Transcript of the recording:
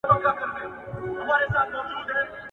خو په ټولو ښځو کي مو «یوه» هم و نه لیدله